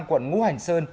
quận ngu hành sơn